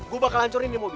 gue bakal hancurin dia mobil